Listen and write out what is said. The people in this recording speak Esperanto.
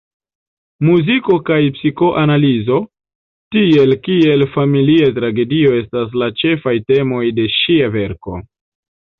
Muziko kaj psikoanalizo, tiel kiel familia tragedio estas la ĉefaj temoj de ŝia verko.